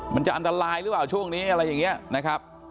มันจะอันตรายหรือเปล่าช่วงนี้อะไรอย่างนี้นะครับ